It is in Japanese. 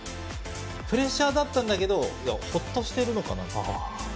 プレッシャーだったんだけどほっとしているのかなと。